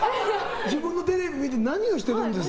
自分のテレビを見て何をしてるんですか？